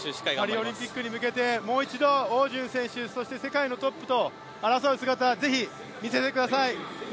パリオリンピックに向けてもう一度汪順選手、そして世界のトップと争う姿、ぜひ見せてください。